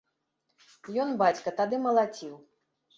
Ён, бацька, тады малаціў.